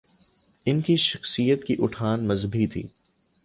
ان کی شخصیت کی اٹھان مذہبی تھی۔